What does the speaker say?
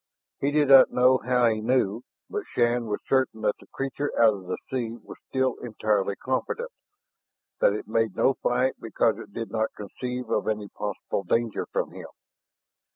He did not know how he knew, but Shann was certain that the creature out of the sea was still entirely confident, that it made no fight because it did not conceive of any possible danger from him.